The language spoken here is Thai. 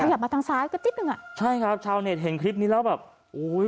อยากมาทางซ้ายก็นิดนึงอ่ะใช่ครับชาวเน็ตเห็นคลิปนี้แล้วแบบโอ้ย